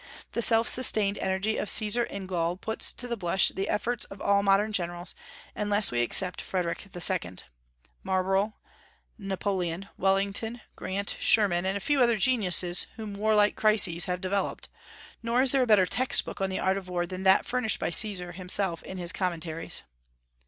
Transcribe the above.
The self sustained energy of Caesar in Gaul puts to the blush the efforts of all modern generals, unless we except Frederic II., Marlborough, Napoleon, Wellington, Grant, Sherman, and a few other great geniuses whom warlike crises have developed; nor is there a better text book on the art of war than that furnished by Caesar himself in his Commentaries.